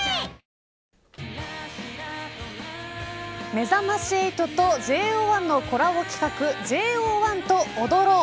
めざまし８とＪＯ１のコラボ企画ＪＯ１と踊ろう！